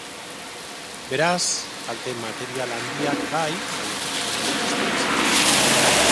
Beraz, kalte material handiak bai, baina pertsonalik ez da izan.